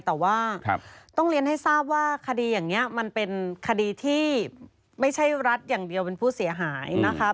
แต่ว่าต้องเรียนให้ทราบว่าคดีอย่างนี้มันเป็นคดีที่ไม่ใช่รัฐอย่างเดียวเป็นผู้เสียหายนะคะ